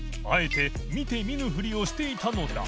見て見ぬふりをしていたのだ磴